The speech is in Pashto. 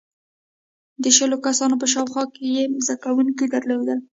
• د شلو کسانو په شاوخوا کې یې زدهکوونکي درلودل.